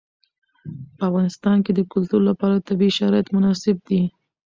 په افغانستان کې د کلتور لپاره طبیعي شرایط مناسب دي.